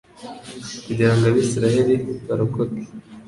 Kugira ngo Abisiraheli barokoke,